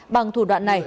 bằng thủ đoạn này